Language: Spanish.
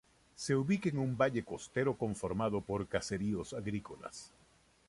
Se ubica en un valle costero conformado por caseríos agrícolas.